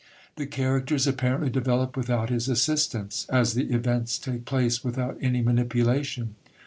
The characters apparently develop without his assistance, as the events take place without any manipulation.